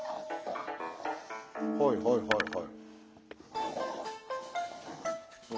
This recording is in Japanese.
はいはいはいはい。